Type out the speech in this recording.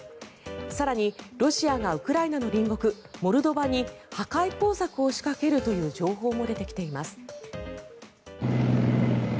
更に、ロシアがウクライナの隣国モルドバに破壊工作を仕掛けるという情報も出てきています。